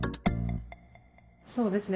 そうですね。